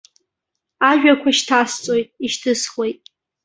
Ажәақәа шьҭасҵоит-ишьҭысхуеит.